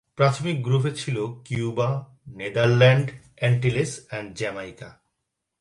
প্রাথমিক গ্রুপে ছিল কিউবা, নেদারল্যান্ডস এন্টিলস এবং জ্যামাইকা।